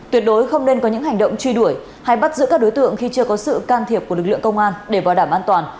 tuyệt đối không nên có những hành động truy đuổi hay bắt giữ các đối tượng khi chưa có sự can thiệp của lực lượng công an để bảo đảm an toàn